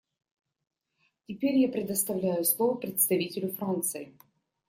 Теперь я предоставляю слово представителю Франции.